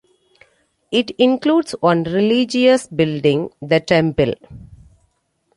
It includes one religious building, the Temple.